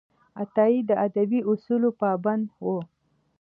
عطايي د ادبي اصولو پابند و.